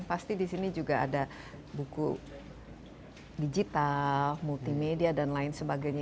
pasti di sini juga ada buku digital multimedia dan lain sebagainya